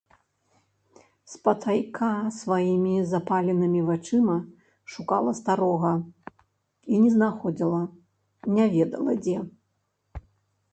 Спатайка сваімі запаленымі вачыма шукала старога і не знаходзіла, не ведала дзе.